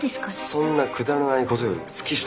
そんなくだらないことより月下